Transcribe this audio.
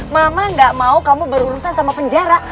mama gak mau kamu berurusan sama penjara